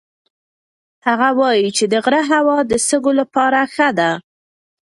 هغه وایي چې د غره هوا د سږو لپاره ښه ده.